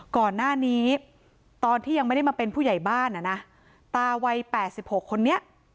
ก่อนหน้านี้ตอนที่ยังไม่ได้มาเป็นผู้ใหญ่บ้านอ่ะนะตาวัย๘๖คนนี้